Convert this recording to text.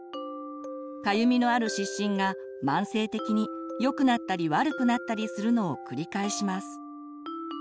かゆみのある湿疹が慢性的によくなったり悪くなったりするのを繰り返します。